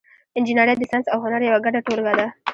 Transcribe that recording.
انجنیری د ساینس او هنر یوه ګډه ټولګه ده.